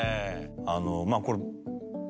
あのまぁこれ。